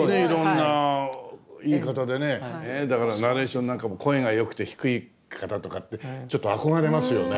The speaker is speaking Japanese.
だからナレーションなんかも声が良くて低い方とかってちょっと憧れますよね。